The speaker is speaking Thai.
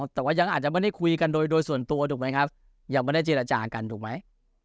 แต่ว่ายังอาจจะไม่ได้คุยกันโดยส่วนตัวถูกไหมครับยังไม่ได้เจรจากันถูกไหม